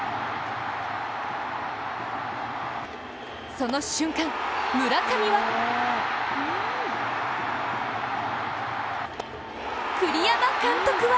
その瞬間、村上は栗山監督は